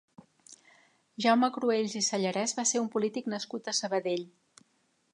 Jaume Cruells i Sallarès va ser un polític nascut a Sabadell.